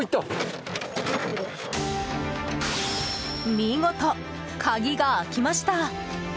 見事、鍵が開きました！